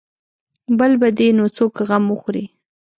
بل به دې نو څوک غم وخوري.